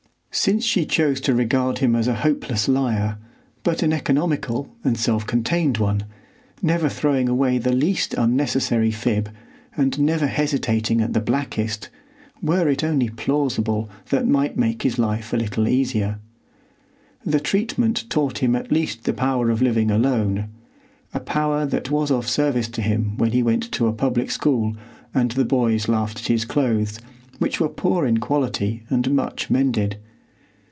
Since she chose to regard him as a hopeless liar, when dread of pain drove him to his first untruth, he naturally developed into a liar, but an economical and self contained one, never throwing away the least unnecessary fib, and never hesitating at the blackest, were it only plausible, that might make his life a little easier. The treatment taught him at least the power of living alone,—a power that was of service to him when he went to a public school and the boys laughed at his clothes, which were poor in quality and much mended.